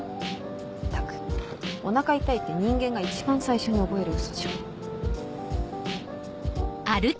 ったく「お腹痛い」って人間が一番最初に覚えるウソじゃん。